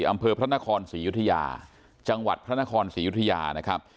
อำเภอพระนครศรียุธยาจังหวัดพระนครศรียุธยานะครับ